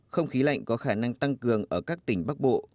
không khí lạnh có khả năng tăng cường ở các tỉnh bắc bộ